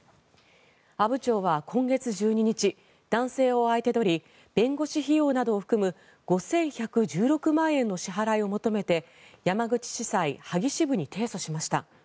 阿武町は今月１２日男性を相手取り弁護士費用などを含む５１１６万円の支払いを求めて山口地裁萩支部に提訴しました。